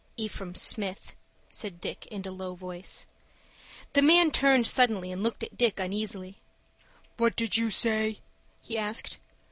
"Ephraim Smith," said Dick, in a low voice. The man turned suddenly, and looked at Dick uneasily. "What did you say?" he asked.